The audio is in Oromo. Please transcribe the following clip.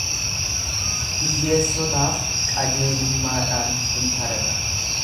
Hiyyeessotaaf qajeelummaadhaan in farada.